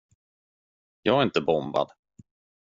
Jag är inte bombad.